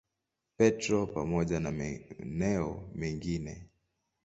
Petro pamoja na maeneo mengine.